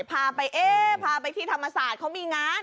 พาไปที่ธรรมสาสเขามีงาน